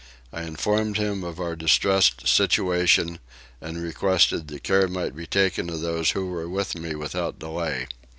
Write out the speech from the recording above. I informed him of our distressed situation; and requested that care might be taken of those who were with me without delay.